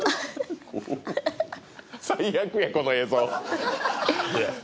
最悪やこの映像。